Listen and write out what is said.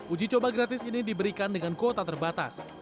uji coba gratis ini diberikan dengan kuota terbatas